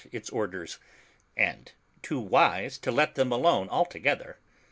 its orders, and too wise to let them alone altogether.